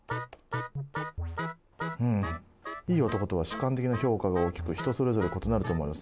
うん「『いい男』とは主観的な評価が大きく人それぞれ異なると思われます。